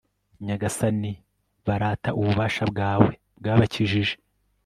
nyagasani, barata ububasha bwawe bwabakijije